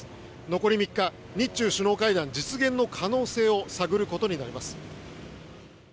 残り３日、日中首脳会談実現の可能性を探ることになります。